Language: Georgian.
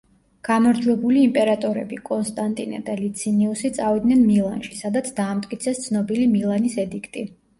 გამარჯვებული იმპერატორები, კონსტანტინე და ლიცინიუსი, წავიდნენ მილანში, სადაც დაამტკიცეს ცნობილი მილანის ედიქტი.